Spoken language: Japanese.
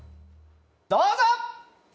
どうぞ！